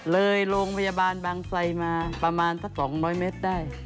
โรงพยาบาลบางไซมาประมาณสัก๒๐๐เมตรได้